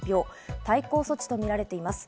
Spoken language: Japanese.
対抗措置と見られています。